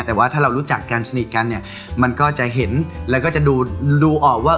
แต่ว่าถ้าเรารู้จักกันสนิทกันเนี่ยมันก็จะเห็นแล้วก็จะดูออกว่า